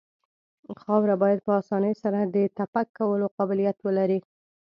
خاوره باید په اسانۍ سره د تپک کولو قابلیت ولري